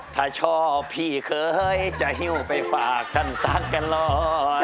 ถ้าชอบพี่เคยจะหิ้วไปฝากท่านสักกันหน่อย